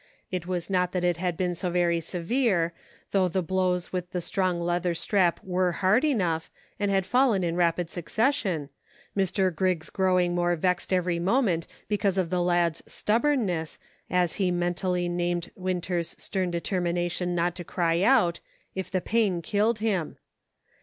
It was not that it had been so very severe, though the blows' with the strong leather strap were hard enough, and had fallen in rapid succession, Mr. Griggs growing more vexed every moment because of the lad's " stubbornness," as he mentally named Winter's stern determina tion not to cry out, "if the pain killed him."